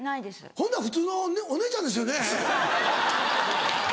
ほんだら普通のお姉ちゃんですよね。